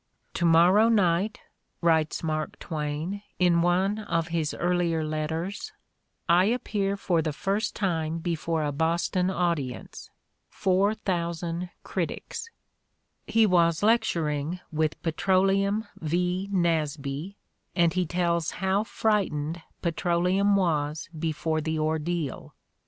'' To morrow night, '' writes Mark The Candidate for Gentility 119 Twain, in one of his earlier letters, "I appear for the first time before a Boston audience — 4,000 critics"; he was lecturing with Petroleum V. Nasby, and he tells how frightened Petroleum was before the ordeal.